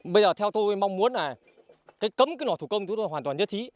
bây giờ theo tôi mong muốn là cái cấm cái lò thủ công chúng tôi hoàn toàn nhất trí